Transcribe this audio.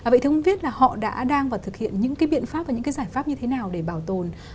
vậy thưa ông viết là họ đã đang và thực hiện những cái biện pháp và những cái giải pháp như thế nào để bảo tồn